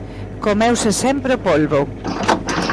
Comeuse sempre o polbo.